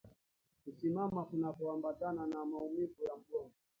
Kusimama kunakoambatana na maumivu ya mgongo